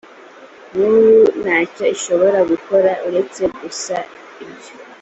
nkuru ntacyo ishobora gukora uretse gusa ibyo